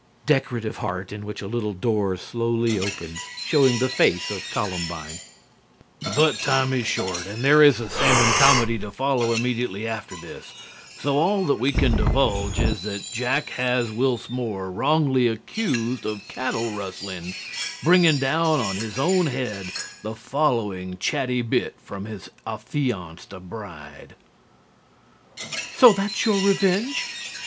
(Decorative heart, in which a little door slowly opens, showing the face of Columbine.) But time is short and there is a Semon comedy to follow immediately after this. So all that we can divulge is that Jack has Wils Moore wrongly accused of cattle rustling, bringing down on his own head the following chatty bit from his affianced bride: "SO THAT'S YOUR REVENGE....